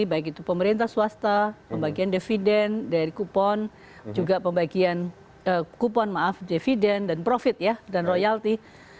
baik itu pemerintah swasta pembagian dividen dari kupon juga pembagian kupon maaf dividen dan profit ya dan royalti